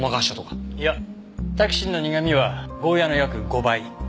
いやタキシンの苦味はゴーヤの約５倍。